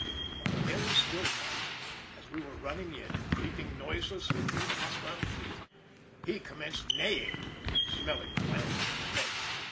On a very still night, as we were running in and creeping noiselessly through the hostile fleet, he commenced neighing (smelling the land, I expect).